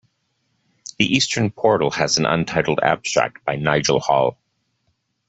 The eastern portal has an untitled abstract by Nigel Hall.